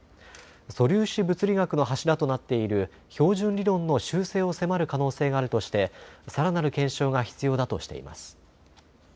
素粒子物理学の柱となっている標準理論の修正を迫る可能性があるとしてさらなる検証が必要だとしています。